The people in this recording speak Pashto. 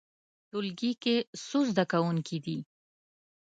ټولګی کې څو زده کوونکي دي؟